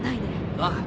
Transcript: ああ。